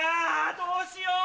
どうしよう！